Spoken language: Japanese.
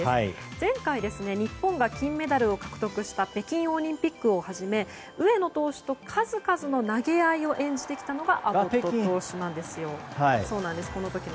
前回、日本が金メダルを獲得した北京オリンピックをはじめ上野投手と数々の投げ合いを演じてきたのがアボット投手なんですよ。